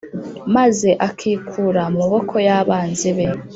maze akikura mu maboko y’abanzi be